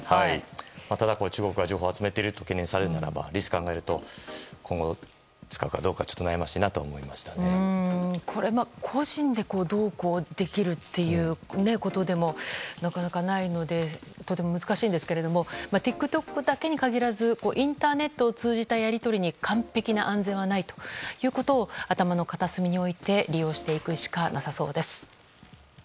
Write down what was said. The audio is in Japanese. ただ、中国が情報を集めていると懸念のリスクを考えると今後、使うかどうかこれは個人でどうこうできることでもなかなかないのでとても難しいんですけどＴｉｋＴｏｋだけに限らずインターネットを使ったやり取りに、完璧な安全はないと頭の片隅に置いて利用していくしかなさそうです。